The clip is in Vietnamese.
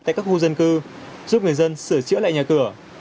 tại các khu dân cư giúp người dân sửa chữa lại nhà cửa